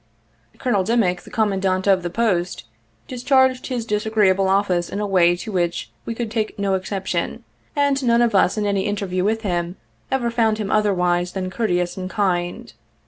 Col. Dimick, the Commandant of the Post discharged his disagreeable office in a way to which we could take no exception, and none of us in any interview with him ever found him otherwise than courte ous and kind.